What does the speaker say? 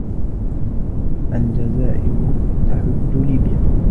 الجزائر تحد ليبيا.